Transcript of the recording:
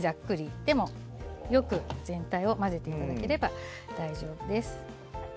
でも、よく全体を混ぜていただければ大丈夫です。